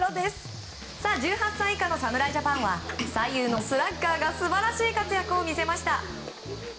１８歳以下の侍ジャパンは左右のスラッガーが素晴らしい活躍を見せました。